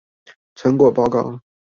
成果報告